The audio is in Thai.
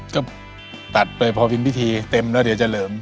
ก็ตัดไปพอกินพิธีเต็มแล้วเดี๋ยวจะเหลิม